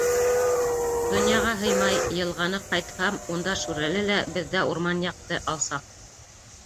Донъяға һыймай, йылғаны Ҡайтһам, унда Шүрәле лә Беҙҙә урман яҡты, алсаҡ.